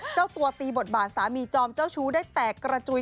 เจ้าตัวตีบทบาทสามีจอมเจ้าชู้ได้แตกกระจุย